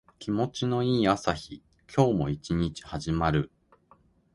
気持ちの良い朝日。今日も一日始まる。